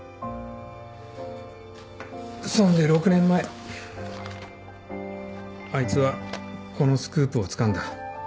そんで６年前あいつはこのスクープをつかんだ。